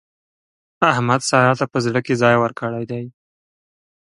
احمد سارا ته په زړه کې ځای ورکړی دی.